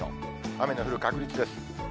雨の降る確率です。